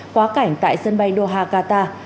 quá cảnh tại sân bay doha qatar